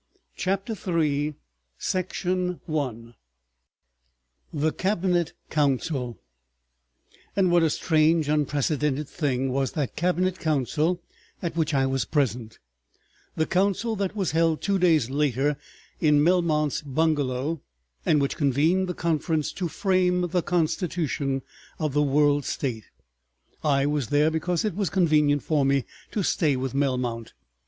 CHAPTER THE THIRD THE CABINET COUNCIL § 1 And what a strange unprecedented thing was that cabinet council at which I was present, the council that was held two days later in Melmount's bungalow, and which convened the conference to frame the constitution of the World State. I was there because it was convenient for me to stay with Melmount.